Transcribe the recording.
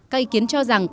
các ý kiến cho rằng